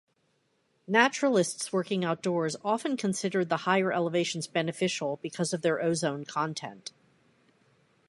Naturalists working outdoors often considered the higher elevations beneficial because of their ozone content.